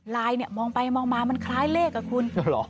เนี่ยมองไปมองมามันคล้ายเลขอ่ะคุณ